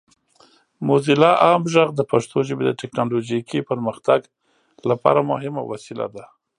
موزیلا عام غږ د پښتو ژبې د ټیکنالوجیکي پرمختګ لپاره مهمه وسیله ده.